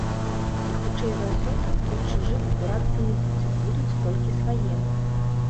І, хутчэй за ўсё, тут чужых збірацца не будзе, будуць толькі свае.